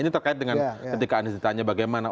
ini terkait dengan ketika anies ditanya bagaimana